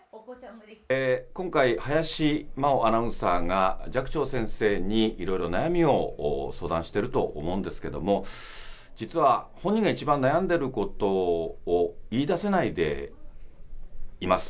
今回、林マオアナウンサーが、寂聴先生にいろいろ悩みを相談してると思うんですけども、実は本人が一番悩んでいることを言いだせないでいます。